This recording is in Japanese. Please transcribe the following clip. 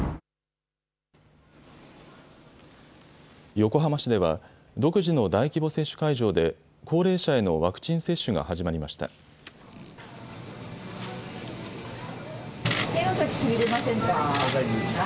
横浜市では独自の大規模接種会場で高齢者へのワクチン接種が始まりました。